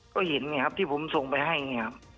ก็เห็นไงครับที่ผมส่งไปให้อย่างนี้ครับ